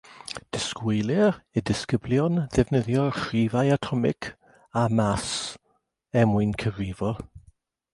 Disgwylir i'r disgyblion ddefnyddio rhifau atomig a màs er mwyn cyfrifo